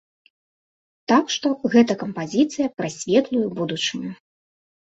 Так што, гэта кампазіцыя пра светлую будучыню!